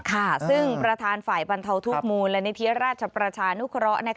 ค่ะซึ่งประธานฝ่ายบรรเทาทุกมูลและนิธิราชประชานุเคราะห์